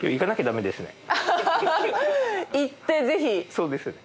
そうですよね。